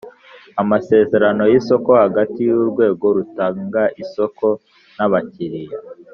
Amasezerano y’isoko hagati y’urwego rutanga isoko n’abakiriya